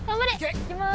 いきます。